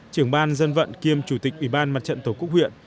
trưởng ban dân vận kiêm chủ tịch ubnd tổ quốc huyện